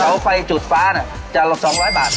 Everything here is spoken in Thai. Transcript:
เต๋าไฟจุดฟ้าเนี่ยจะลง๒๐๐บาท